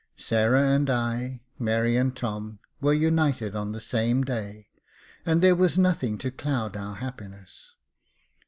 Sarah and I, Mary and Tom, were united on the same day, and there was nothing to cloud our happiness.